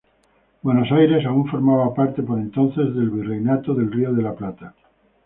Buenos Aires aún formaba parte por entonces del Virreinato del Río de la Plata.